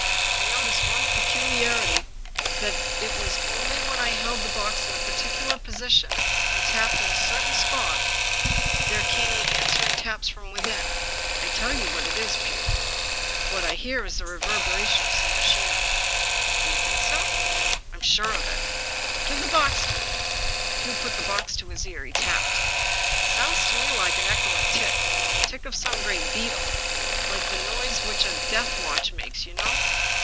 I noticed one peculiarity, that it was only when I held the box in a particular position, and tapped at a certain spot", there came the answering taps from within. " I tell you what it is, Pugh, what I hear is the reverberation of some machinery." "Do you think so?*' 245 English Mystery Stories " I'm sure of it." " Give the box to me." Pugh put the box to his ear. He tapped. " It sounds to me like the echoing tick, tick of some great beetle ; like the sort of noise which a death vvatch makes, you know."